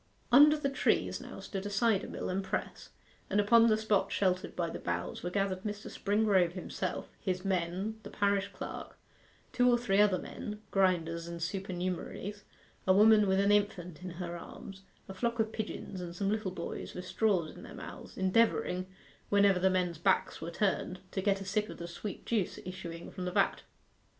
Under the trees now stood a cider mill and press, and upon the spot sheltered by the boughs were gathered Mr. Springrove himself, his men, the parish clerk, two or three other men, grinders and supernumeraries, a woman with an infant in her arms, a flock of pigeons, and some little boys with straws in their mouths, endeavouring, whenever the men's backs were turned, to get a sip of the sweet juice issuing from the vat.